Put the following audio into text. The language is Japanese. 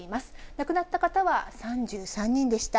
亡くなった方は３３人でした。